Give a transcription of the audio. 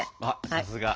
さすが！